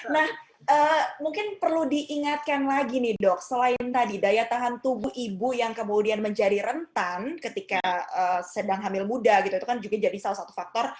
nah mungkin perlu diingatkan lagi nih dok selain tadi daya tahan tubuh ibu yang kemudian menjadi rentan ketika sedang hamil muda gitu itu kan juga jadi salah satu faktor